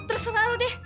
terserah lo deh